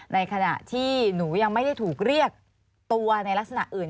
ในขณะที่หนูยังไม่ได้ถูกเรียกตัวในลักษณะอื่น